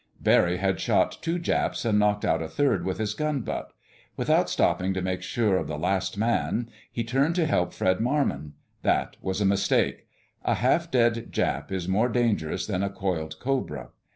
Barry had shot two Japs and knocked out a third with his gun butt. Without stopping to make sure of the last man, he turned to help Fred Marmon. That was a mistake. A half dead Jap is more dangerous than a coiled cobra.